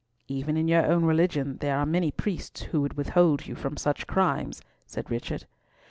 "Even in your own religion there are many priests who would withhold you from such crimes," said Richard.